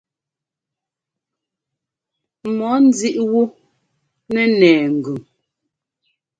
Mɔɔ nzíʼ wú nɛ́ nɛɛ ŋgʉn.